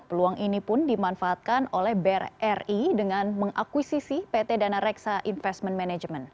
peluang ini pun dimanfaatkan oleh bri dengan mengakuisisi pt dana reksa investment management